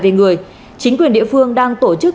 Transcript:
về người chính quyền địa phương đang tổ chức